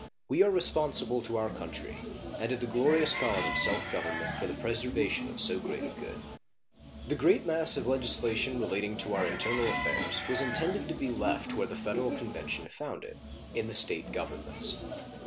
We are responsible to our country and to the glorious cause of self government for the preservation of so great a good. The great mass of legislation relating to our internal affairs was intended to be left where the Federal Convention found it in the State governments.